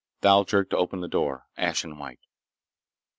Thal jerked open the door, ashen white.